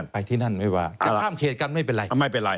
ไปที่นั่นไม่ว่าจะพร่ามเขตกันไม่เป็นไร